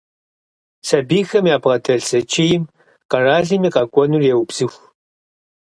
Сабийхэм ябгъэдэлъ зэчийм къэралым и къэкӀуэнур еубзыху.